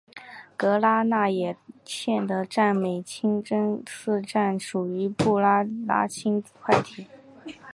格拉那再也线的占美清真寺站属于布特拉轻快铁。